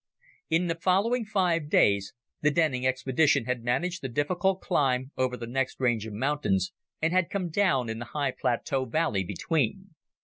In the following five days, the Denning expedition had managed the difficult climb over the next range of mountains and had come down in the high plateau valley between.